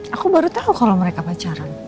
aku baru tahu kalau mereka pacaran